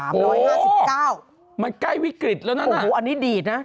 มันใกล้วิกฤตแล้วนะนะมันวิกฤตแล้วนะโอ้โฮอันนี้ดีดนะ